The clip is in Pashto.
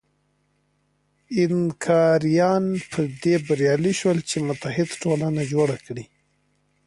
اینکاریان په دې بریالي شول چې متحد ټولنه جوړه کړي.